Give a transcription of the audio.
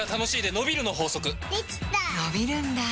のびるんだ